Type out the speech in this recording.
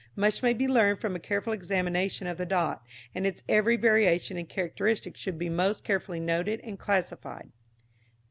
Much may be learned from a careful examination of the dot, and its every variation and characteristic should be most carefully noted and classified.